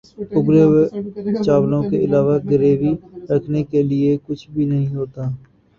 اُبلے ہوئے چاولوں کے علاوہ گروی رکھنے کے لیے کچھ بھی نہیں ہوتا